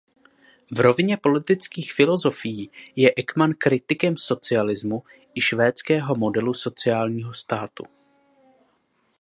V rovině politických filosofií je Ekman kritikem socialismu i švédského modelu sociálního státu.